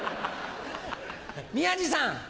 宮治さん。